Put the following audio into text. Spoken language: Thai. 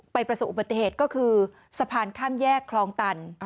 ประสบอุบัติเหตุก็คือสะพานข้ามแยกคลองตัน